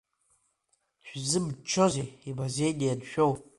Шәзымччозеи, имазеины ианшәоу.